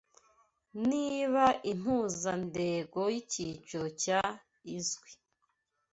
niba impuzandengo yicyiciro cya izwi